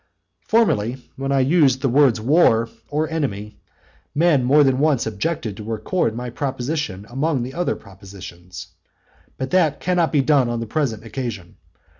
Formerly, when I used the words War or Enemy, men more than once objected to record my proposition among the other propositions. But that cannot be done on the present occasion.